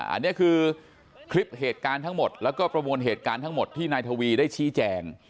อันนี้คือคลิปเหตุการณ์ทั้งหมดแล้วก็ประมวลเหตุการณ์ทั้งหมดที่นายทวีได้ชี้แจง